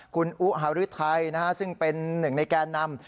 คุณอุฮารุทัยซึ่งเป็นหนึ่งในแกนนำ